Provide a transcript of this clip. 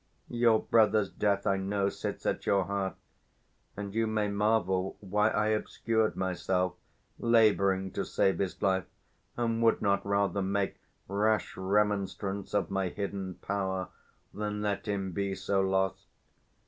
Your brother's death, I know, sits at your heart; And you may marvel why I obscured myself, Labouring to save his life, and would not rather Make rash remonstrance of my hidden power 390 Than let him so be lost.